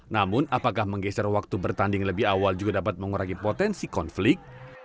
namun apakah menggeser waktu bertanding lebih awal juga dapat mengurangi potensi konflik